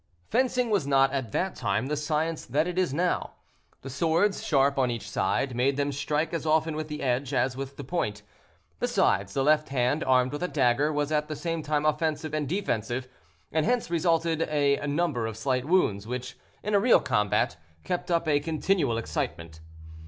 Fencing was not at that time the science that it is now. The swords, sharp on each side, made them strike as often with the edge as with the point; besides, the left hand, armed with a dagger, was at the same time offensive and defensive, and hence resulted a number of slight wounds, which, in a real combat, kept up a continual excitement.